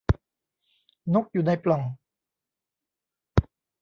นกอยู่ในปล่อง